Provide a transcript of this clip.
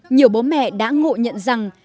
nhiều bố mẹ đã ngộ nhận rằng